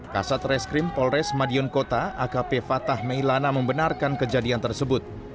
kasat reskrim polres madiun kota akp fatah meilana membenarkan kejadian tersebut